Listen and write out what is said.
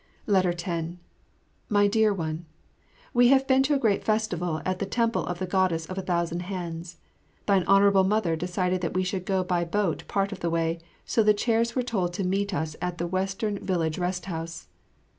10 My Dear One, We have been to a great festival at the Temple of the Goddess of a Thousand Hands. Thine Honourable Mother decided that we should go by boat part of the way, so the chairs were told to meet us at the Western Village Rest house.